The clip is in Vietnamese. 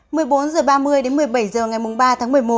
một mươi bốn h ba mươi đến một mươi bảy h ngày ba tháng một mươi một